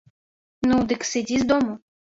Ну, дык сыдзі з дому.